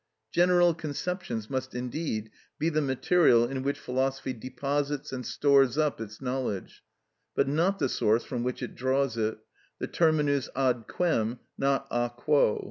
General conceptions must indeed be the material in which philosophy deposits and stores up its knowledge, but not the source from which it draws it; the terminus ad quem, not a quo.